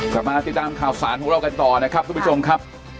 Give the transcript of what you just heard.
กลับมาติดตามข่าวสารของเรากันต่อนะครับทุกผู้ชมครับ